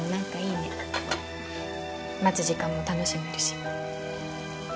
待つ時間も楽しめるし。